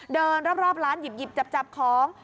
เดินรอบร้านหยิบจับของ